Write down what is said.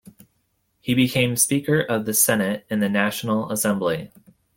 He became speaker of the senate in the National Assembly.